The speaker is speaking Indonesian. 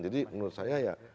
jadi menurut saya ya